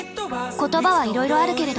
言葉はいろいろあるけれど。